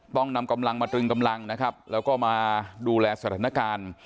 ต้องนำกำลังมาตรึงกำลังนะครับแล้วก็มาดูแลสถานการณ์